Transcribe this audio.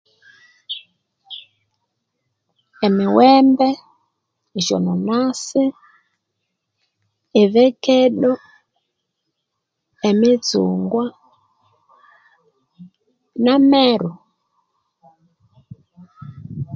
Emiwembe esyonanasi evekeddo emitsungwa nameru